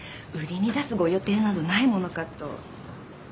売りに出すご予定などないものかと。